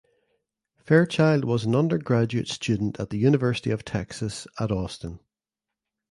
Fairchild was an undergraduate student at the University of Texas at Austin.